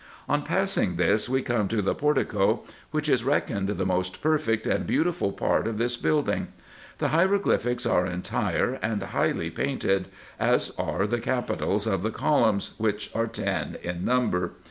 On passing this we come to the por tico, which is reckoned the most perfect and beautiful part of this building. The hieroglyphics are entire and highly painted, as are the capitals of the columns, which are ten in number.